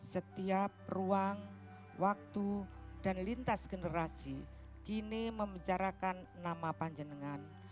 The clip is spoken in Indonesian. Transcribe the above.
setiap ruang waktu dan lintas generasi kini membicarakan nama panjenengan